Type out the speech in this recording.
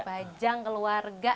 ini anak anak keluarga ya